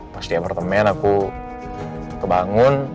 pas di apartemen aku kebangun